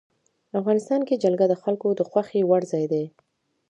افغانستان کې جلګه د خلکو د خوښې وړ ځای دی.